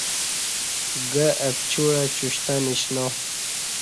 گہ اہ پچوعہ چشتہ نشنا